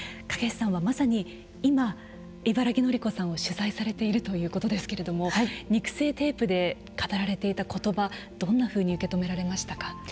梯さんはまさに今茨木のり子さんを取材されているということですけれども肉声テープで語られていた言葉どんなふうに受け止められましたか？